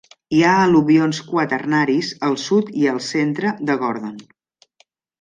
Hi ha al·luvions quaternaris al sud i al centre de Gordon.